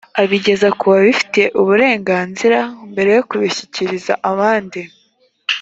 abigeza ku babifitiye uburenganzira mbere yo kubishyikiriza abandi